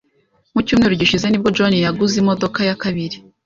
Mu cyumweru gishize nibwo John yaguze imodoka ya kabiri.